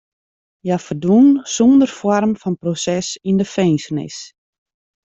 Hja ferdwûn sûnder foarm fan proses yn de finzenis.